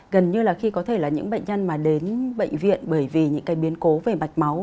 gần như là khi có thể là những bệnh nhân mà đến bệnh viện bởi vì những cái biến cố về mạch máu